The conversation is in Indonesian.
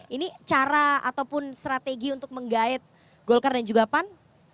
ini cara ataupun strategi untuk menggait golkar dan juga pan